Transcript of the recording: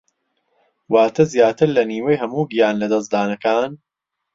واتە زیاتر لە نیوەی هەموو گیانلەدەستدانەکان